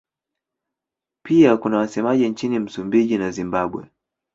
Pia kuna wasemaji nchini Msumbiji na Zimbabwe.